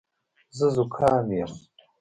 زه زکام یم.